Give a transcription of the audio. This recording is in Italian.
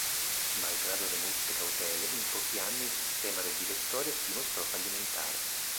Malgrado le molte cautele, in pochi anni il sistema del direttorio si dimostrò fallimentare.